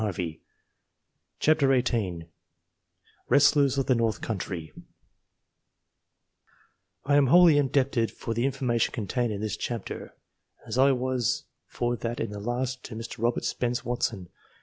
WRESTLERS OF THE NORTH COUNTRY 308 WEESTLEES OF THE NOETH COUNTEY I AM wholly indebted for the information contained in this chapter, as I was for that in the last, to Mr. Robert Spence Watson.